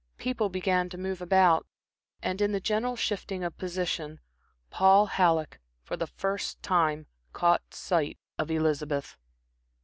People began to move about, and in the general shifting of position, Paul Halleck, for the first time, caught sight of Elizabeth.